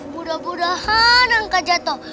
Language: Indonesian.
mudah mudahan nangka jatuh